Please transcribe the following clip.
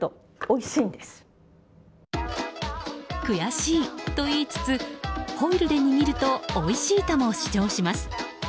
悔しいと言いつつホイルで握るとおいしいとも主張します。